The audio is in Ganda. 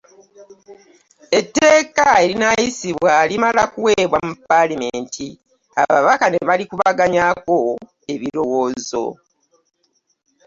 Etteeka erinaayisibwa limala kuleeyebwa mu palamenti ababaka ne balikubaganyazo ebirowoozo.